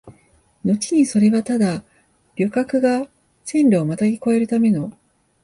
のちにそれはただ旅客が線路をまたぎ越えるための、